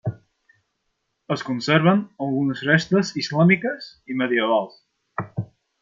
Es conserven algunes restes islàmiques i medievals.